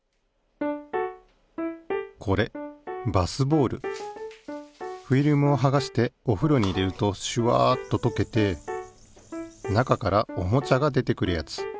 これフィルムをはがしてお風呂に入れるとシュワッと溶けて中からおもちゃが出てくるやつ。